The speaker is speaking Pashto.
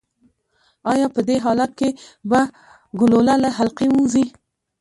ایا په دې حالت کې به ګلوله له حلقې ووځي؟